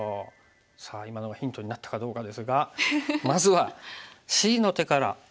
さあ今のがヒントになったかどうかですがまずはＣの手からいきたいと思います。